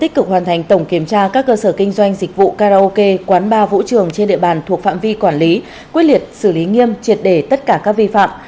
tích cực hoàn thành tổng kiểm tra các cơ sở kinh doanh dịch vụ karaoke quán bar vũ trường trên địa bàn thuộc phạm vi quản lý quyết liệt xử lý nghiêm triệt đề tất cả các vi phạm